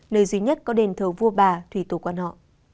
nơi duy nhất có đền thờ vua bà thủy tổ quan họ